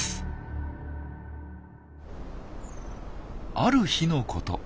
ある日のこと。